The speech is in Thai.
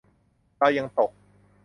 เรายังตก